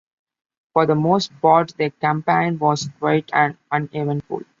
For the most part, the campaign was quiet and uneventful.